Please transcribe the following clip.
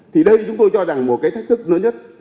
thì đây chúng tôi cho rằng một cái thách thức lớn nhất